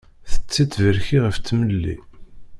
Tetti tberki ɣef tmelli.